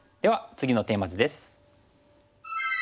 次のテーマ図です。